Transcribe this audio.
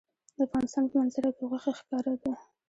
د افغانستان په منظره کې غوښې ښکاره ده.